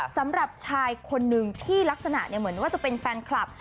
สำหรับชายคนนึงที่ลักษณะเหมือนว่าจะเป็นแฟนคลับ